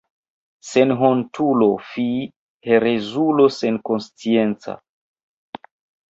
Senhontulo, fi, herezulo senkonscienca!